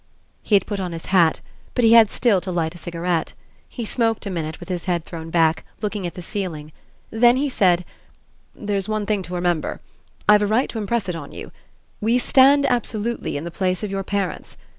He had put on his hat, but he had still to light a cigarette. He smoked a minute, with his head thrown back, looking at the ceiling; then he said: "There's one thing to remember I've a right to impress it on you: we stand absolutely in the place of your parents.